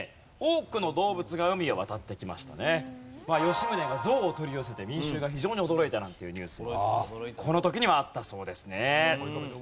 吉宗がゾウを取り寄せて民衆が非常に驚いたなんていうニュースもこの時にはあったそうですね。